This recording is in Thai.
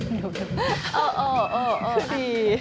โอ้โหดี